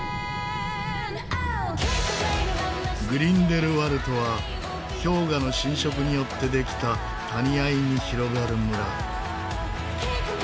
グリンデルワルトは氷河の浸食によってできた谷あいに広がる村。